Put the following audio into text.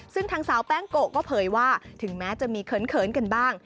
ซึ่งทางสาวแป้งโกะก็เผยว่าถึงแม้จะมีเขินกันบ้าง